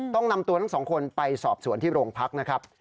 ต้องนำตัวทั้งสองคนไปสอบสวนที่โรงพักนะครับ